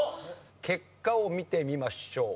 結果を見てみましょう。